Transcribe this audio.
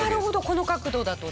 この角度だと。